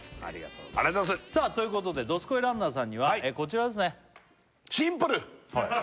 ありがとうございますさあということでどすこいランナーさんにはこちらですね